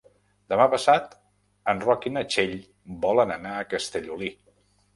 Demà passat en Roc i na Txell volen anar a Castellolí.